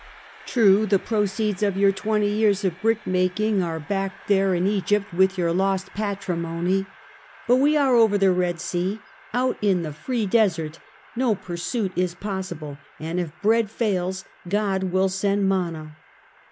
True, the proceeds of your twenty years of brick making are back there in Out into the World. 217 Egypt witli 3^onr lost patrimony, but we are over the Eed Sea, out in the free desert; no pursuit is possible, and if bread fails, God will send manna."